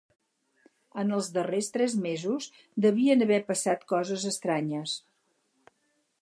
En els darrers tres mesos devien haver passat coses estranyes.